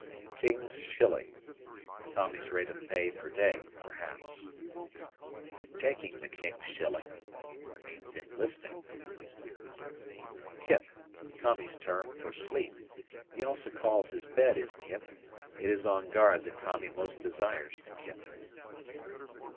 "King's Shilling." Tommy's rate of pay per day, perhaps. "Taking the King's Shilling" means enlisting. "Kip." Tommy's term for "sleep." He also calls his bed his "kip." It is on guard that Tommy most desires to kip.